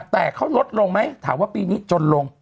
แต่เขาลดลงไหมถามว่าปีนี้จนลง